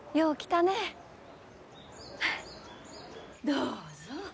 どうぞ。